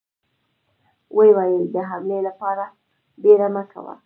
ويې ويل: د حملې له پاره بيړه مه کوئ!